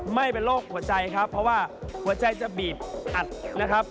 ไม่เป็นโรคหัวใจครับเพราะว่าหัวใจจะบีบอัดนะครับ